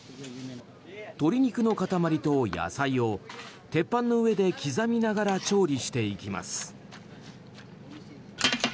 鶏肉の塊と野菜を鉄板の上で刻みながら調理していきます。